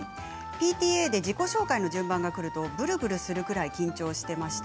ＰＴＡで自己紹介の順番がくるとぶるぶるするくらい緊張していました。